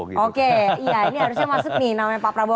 ini harusnya masuk nih namanya pak prabowo